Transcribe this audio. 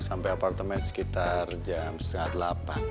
sampai apartemen sekitar jam setengah delapan